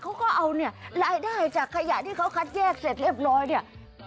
เขาก็เอารายได้จากขยะที่เขาคัดแยกเสร็จเรียบร้อย